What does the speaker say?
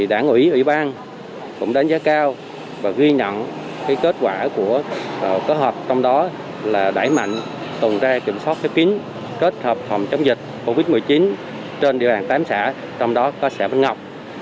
đảng ủy ủy ban cũng đánh giá cao và ghi nhận kết quả của kết hợp trong đó là đẩy mạnh tuần tra kiểm soát khép kín kết hợp phòng chống dịch covid một mươi chín trên địa bàn tám xã trong đó có xã văn ngọc